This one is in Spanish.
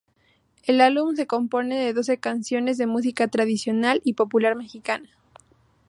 El álbum se compone de doce canciones de música tradicional y popular mexicana.